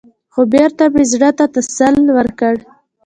خـو بـېرته مـې زړه تـه تـسلا ورکړه.